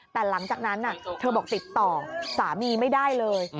แต่หลังจากนั้นเธอบอกติดต่อสามีไม่ได้เลย